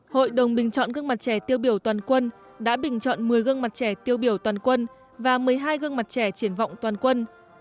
hội đồng bình chọn gương mặt trẻ tiêu biểu toàn quân đã bình chọn một mươi gương mặt trẻ tiêu biểu toàn quân và một mươi hai gương mặt trẻ triển vọng toàn quân